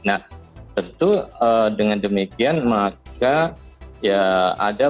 nah tentu dengan demikian maka ya ada